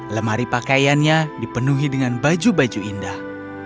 lemari pakaiannya dipenuhi dengan baju baju indah